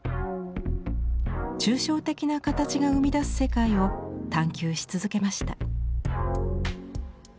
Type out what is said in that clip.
抽象的な形が生み出す世界を探求し続けました。